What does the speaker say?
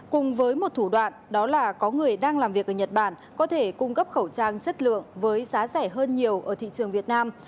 cùng với một thủ đoạn đó là có người đang làm việc ở nhật bản có thể cung cấp khẩu trang chất lượng với giá rẻ hơn nhiều ở thị trường việt nam